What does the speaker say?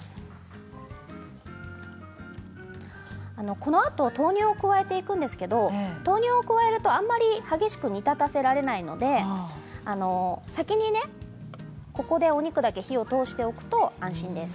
このあと豆乳を加えていくんですけど豆乳を加えると、あまり激しく煮立たせられないので先にね、ここでお肉だけ火を通しておくと安心です。